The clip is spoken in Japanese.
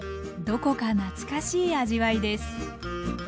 どこか懐かしい味わいです。